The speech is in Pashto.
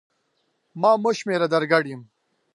ما مه شمېره در ګډ یم!